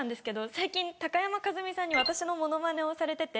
最近高山一実さんに私のモノマネをされてて。